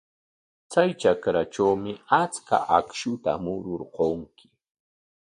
Chay trakratrawmi achka akshuta mururqanki.